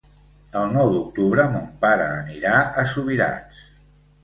El nou d'octubre mon pare anirà a Subirats.